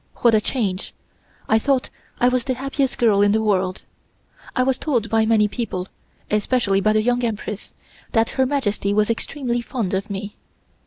What a change. I thought I was the happiest girl in the world. I was told by many people, especially by the Young Empress, that Her Majesty was extremely fond of me.